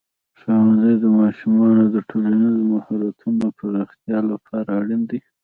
ښوونځی د ماشومانو د ټولنیزو مهارتونو پراختیا لپاره اړین دی.